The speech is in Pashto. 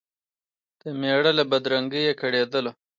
د مېړه له بدرنګیه کړېدله